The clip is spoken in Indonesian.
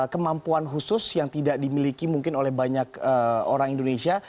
kemampuan khusus yang tidak dimiliki mungkin oleh banyak orang indonesia